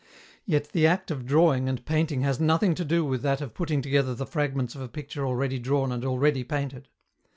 Yet the act of drawing and painting has nothing to do with that of putting together the fragments of a picture already drawn and already painted.